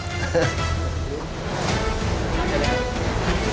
สวัสดีครับ